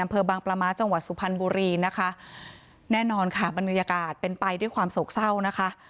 อำเภอบางปลาม้าจังหวัดสุพรรณบุรีนะคะแน่นอนค่ะบรรยากาศเป็นไปด้วยความโศกเศร้านะคะ